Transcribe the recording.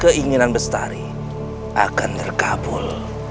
keinginan bestari akan terkabul